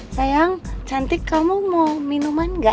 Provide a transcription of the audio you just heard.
sayang cantik kamu mau minuman gak